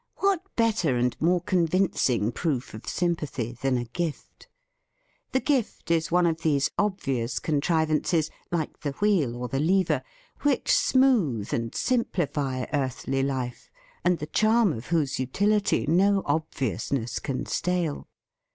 What better and more convinc ing proof of sympathy than a gift? The gift is one of these obvious con trivances — like the wheel or the lever — which smooth and simplify earthly life, and the charm of whose utility no ob viousness can stale.